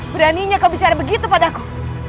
beraninya kau bicara begitu pada aku